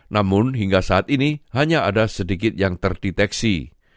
namun hingga saat ini hanya ada sedikit yang terdeteksi